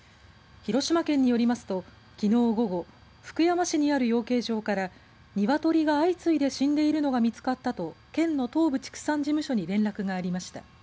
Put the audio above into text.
広島県によりますときのう午後福山市にある養鶏場からニワトリが相次いで死んでいるのが見つかったと県の東部畜産事務所に連絡がありました。